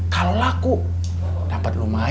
kalau laku mbak be jual mobil